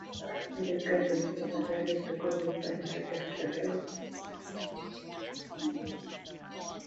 Men disguised in female attire used to go with burning torches to the fields.